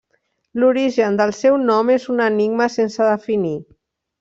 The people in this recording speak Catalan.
L'origen del seu nom és un enigma sense definir.